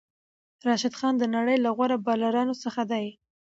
راشد خان د نړۍ له غوره بالرانو څخه دئ.